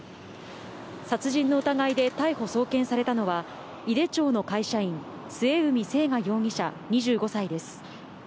殺人の疑いで逮捕・送検されたのは、井手町の会社員、末海征河容疑者２５歳です。